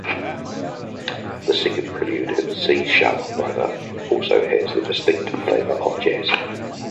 The second Prelude, in C-sharp minor, also has the distinct flavour of jazz.